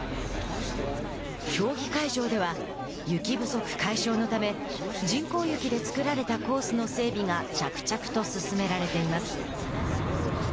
競技会場では雪不足解消のため人工雪で作られたコースの整備が着々と進められています。